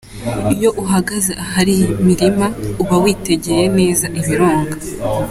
Iyo uhagaze ahari iyi mirima uba witegeye neza ibirunga.